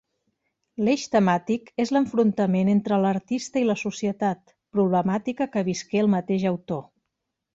L'eix temàtic és l'enfrontament entre l'artista i la societat, problemàtica que visqué el mateix autor.